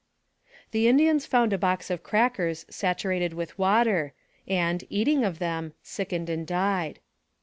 The Indians found a box of crackers saturated with water, and, eating of them, sickened and died.